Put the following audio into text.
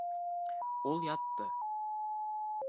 Ул ятты